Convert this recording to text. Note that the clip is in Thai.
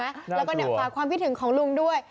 แล้วก็เนี่ยฝากความพิถึงของลุงด้วย